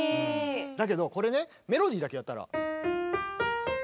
だけどこれねメロディーだけやったら。